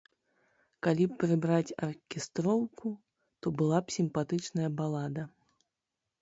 Калі б прыбраць аркестроўку, то была б сімпатычная балада.